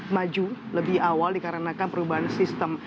maju lebih awal dikarenakan perubahan sistem